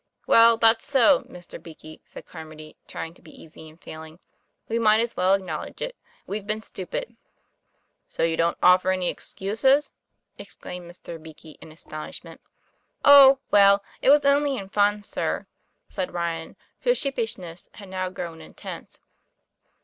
"Well, that's so, Mr. Beakey," said Carmody, trying to be easy and failing; "we might as well acknowledge it. We've been stupid." "So, you don't offer any excuses?" exclaimed Mr. Beakey, in astonishment. :< Oh! well it was only in fun, sir," said Ryan, whose sheepishness had now grown intense.